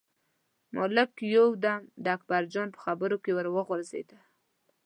ملک یو دم د اکبرجان په خبرو کې ور وغورځېد.